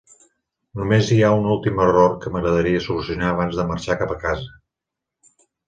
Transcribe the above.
Només hi ha un últim error que m'agradaria solucionar abans de marxar cap a casa.